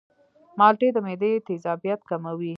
مالټې د معدې تیزابیت کموي.